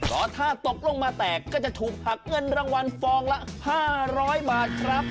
เพราะถ้าตกลงมาแตกก็จะถูกหักเงินรางวัลฟองละ๕๐๐บาทครับ